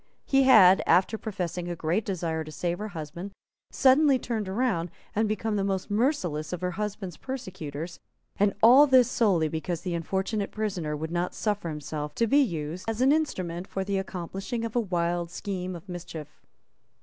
He had, after professing a great desire to save her husband, suddenly turned round, and become the most merciless of her husband's persecutors; and all this solely because the unfortunate prisoner would not suffer himself to be used as an instrument for the accomplishing of a wild scheme of mischief.